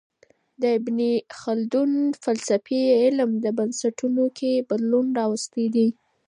د ابن خلدون فلسفې د علم په بنسټونو کي بدلون راوستی دی.